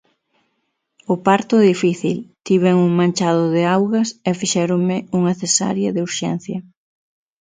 O parto difícil, tiven un manchado de augas e fixéronme unha cesárea de urxencia.